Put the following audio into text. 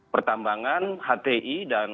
pertambangan hti dan